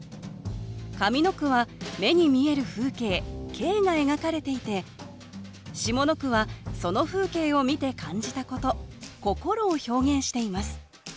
上の句は目に見える風景「景」が描かれていて下の句はその風景を見て感じたこと「心」を表現しています